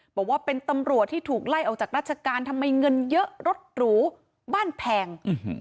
บอกว่าเป็นตำรวจที่ถูกไล่ออกจากราชการทำไมเงินเยอะรถหรูบ้านแพง